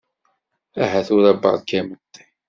Aha tura barka imeṭṭi.